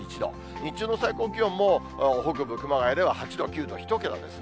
日中の最高気温も北部、熊谷では８度、９度、１桁ですね。